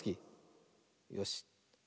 よし。